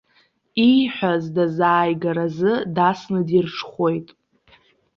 Ииҳәаз дазааигаразы дасны дирҽхәоит.